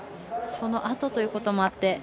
そのあとということもあって。